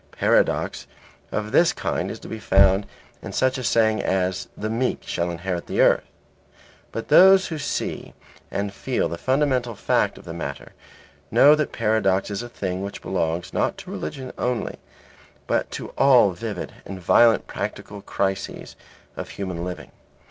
Paradox of this kind is to be found in such a saying as "The meek shall inherit the earth." But those who see and feel the fundamental fact of the matter know that paradox is a thing which belongs not to religion only, but to all vivid and violent practical crises of human living.